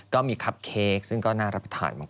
ก็มีคับเค้กซึ่งก็น่ารับประทานมาก